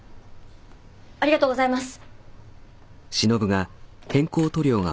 ありがとうございます。